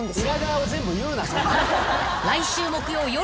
［来週木曜夜］